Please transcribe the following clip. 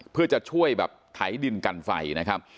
เพื่อจะช่วยแบบไถดินกันไฟนะครับ